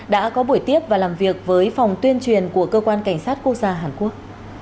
đã có buổi tiếp và làm việc với phòng tuyên truyền của cơ quan cảnh sát quốc gia hàn quốc